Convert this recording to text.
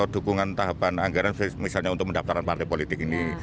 dukungan tahapan anggaran misalnya untuk mendaftaran partai politik ini